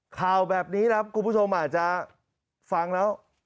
ข่าวแบบนี้ครับคุณผู้ชมอาจจะฟังแล้ว